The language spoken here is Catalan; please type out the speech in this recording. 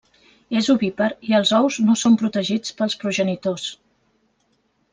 És ovípar i els ous no són protegits pels progenitors.